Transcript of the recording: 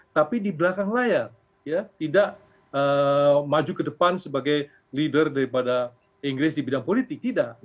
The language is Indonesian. tapi di belakang layar tidak maju ke depan sebagai leader daripada inggris di bidang politik tidak